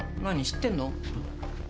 知ってんの？